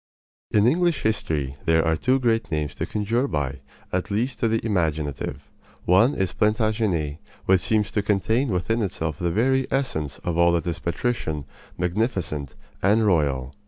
In English history there are two great names to conjure by, at least to the imaginative. One is Plantagenet, which seems to contain within itself the very essence of all that is patrician, magnificent, and royal.